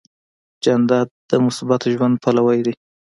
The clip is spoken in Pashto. جانداد د مثبت ژوند پلوی دی.